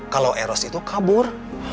kalau eros itu kabur